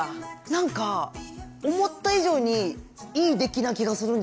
なんか思った以上にいい出来な気がするんですけど。